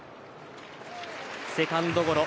セカンドゴロ。